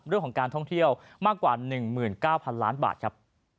เรื่องของการท่องเที่ยวมากกว่า๑๙๐๐ล้านบาทครับ